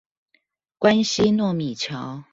關西糯米橋